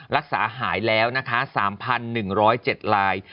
รักษาหายแล้ว๓๑๐๗ราย